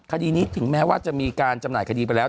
คดีนี้ถึงแม้ว่าจะมีการจำหน่ายคดีไปแล้ว